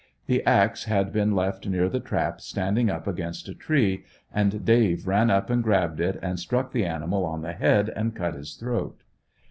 The axe had been left near the trap standing up against a tree, and Dave ran up and grabbed it and sti uck the animal on the head and cut his throat.